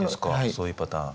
そういうパターン。